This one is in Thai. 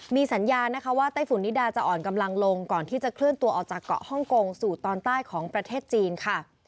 มีสัญญานะคะว่าไต้ฝุ่นนิดาจะอ่อนกำลังลงก่อนที่จะเคลื่อนตัวออกจากเกาะฮ่องกงสู่ตอนใต้ของประเทศจีนค่ะ